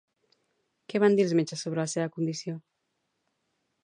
Què van dir els metges sobre la seva condició?